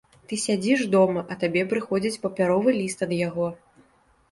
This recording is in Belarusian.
Ты сядзіш дома, а табе прыходзіць папяровы ліст ад яго.